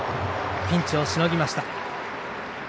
ピンチをしのぎました。